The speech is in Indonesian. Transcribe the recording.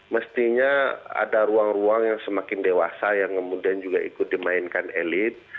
mestinya ada ruang ruang yang semakin dewasa yang kemudian juga ikut dimainkan elit